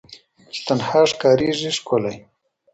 چي تنها ښکاریږي ښکلی